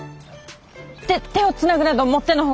手手をつなぐなどもっての外。